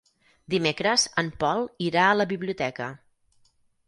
Dimecres en Pol irà a la biblioteca.